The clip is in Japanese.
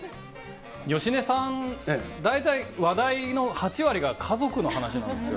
芳根さん、大体、話題の８割が家族の話なんですよ。